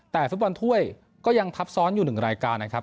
แต่ฟุตบอลถ้วยก็ยังทับซ้อนอยู่๑รายการนะครับ